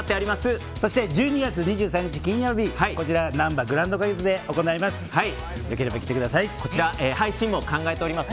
そして１２月２３日金曜日なんばグランド花月で行います。